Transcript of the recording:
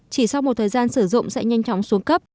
chỉ sau một thời gian sử dụng sẽ nhanh chóng xuống cấp